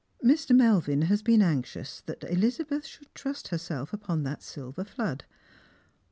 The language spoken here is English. Mr. Melvin has been anxious that EHzabeth should trust herself upon that silver flood.